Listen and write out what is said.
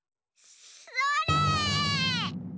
それ！